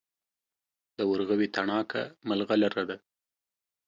د ورغوي تڼاکه ملغلره ده.